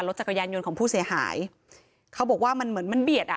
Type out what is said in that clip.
จักรยานยนต์ของผู้เสียหายเขาบอกว่ามันเหมือนมันเบียดอ่ะ